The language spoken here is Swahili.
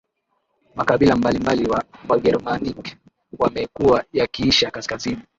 Makabila mbalimbali ya Wagermanik yamekuwa yakiishi kaskazini